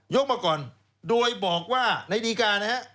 ยกมาก่อนโดยบอกว่าในดีการ์